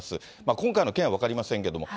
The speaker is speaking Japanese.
今回の件は分かりませんけれども。